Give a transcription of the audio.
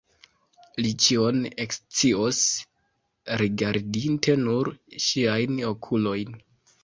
Li ĉion ekscios, rigardinte nur ŝiajn okulojn.